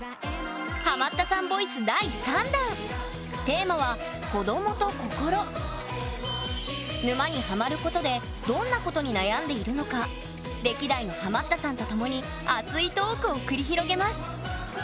今回はＮＨＫで展開中の沼にハマることでどんなことに悩んでいるのか歴代のハマったさんと共に熱いトークを繰り広げます！